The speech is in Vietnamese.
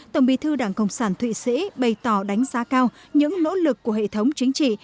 tổng bí thư đảng cộng sản thụy sĩ bày tỏ đánh giá cao những nỗ lực của hệ thống chính trị